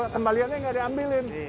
kembaliannya nggak diambilin